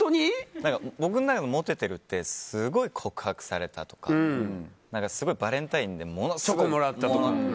僕の中のモテてるってすごい告白されたとかすごいバレンタインでものすごいチョコもらったとか。